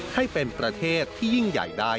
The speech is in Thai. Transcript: ให้เป็นประเทศที่ยิ่งใหญ่ได้